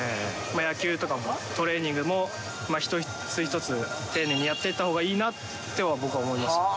野球とかも、トレーニングも、一つ一つ丁寧にやっていったほうがいいなって、僕は思いました。